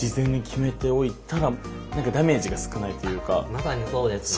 まさにそうですね。